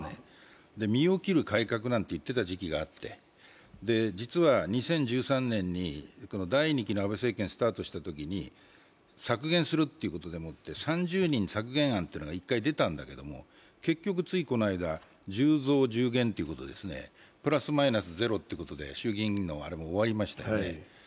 身を切る改革なんて言っていた時期があって、実は２０１３年に第２期の安倍政権がスタートしたときに削減するということで３０人削減案が１回出たんだけれども、結局ついこの間１０増１０減ということでプラスマイナスゼロということで、衆議院のあれも終わりましたよね。